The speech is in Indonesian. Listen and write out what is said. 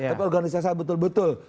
tapi organisasi saya betul betul